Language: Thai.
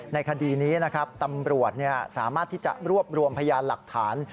คดีนี้นะครับตำรวจสามารถที่จะรวบรวมพยานหลักฐาน